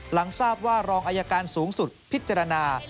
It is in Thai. หลังทราบว่ารองอายการสูงสุดพิจารณา